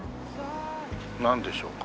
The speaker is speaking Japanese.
なんでしょうか？